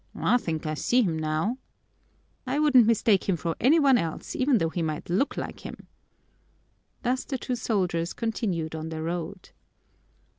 I think I see him now." "I wouldn't mistake him for any one else, even though he might look like him." Thus the two soldiers continued on their round.